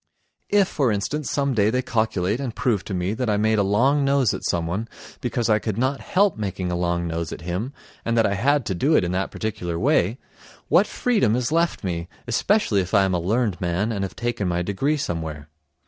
If, for instance, some day they calculate and prove to me that I made a long nose at someone because I could not help making a long nose at him and that I had to do it in that particular way, what freedom is left me, especially if I am a learned man and have taken my degree somewhere?